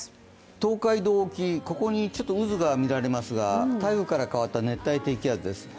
東海道沖、ここにちょっと渦が見られますが台風から変わった熱帯低気圧です。